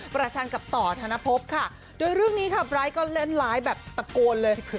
ชันกับต่อธนภพค่ะโดยเรื่องนี้ค่ะไบร์ทก็เล่นไลฟ์แบบตะโกนเลย